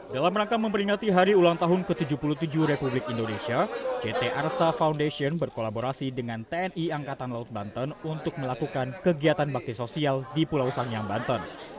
dalam rangka memperingati hari ulang tahun ke tujuh puluh tujuh republik indonesia ct arsa foundation berkolaborasi dengan tni angkatan laut banten untuk melakukan kegiatan bakti sosial di pulau sangyang banten